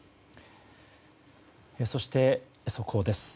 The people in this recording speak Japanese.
そして、速報です。